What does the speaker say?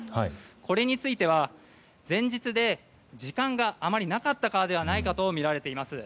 これについては、前日で時間があまりなかったからではないかとみられています。